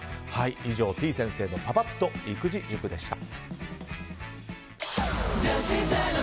以上、てぃ先生のパパッと育児塾でした。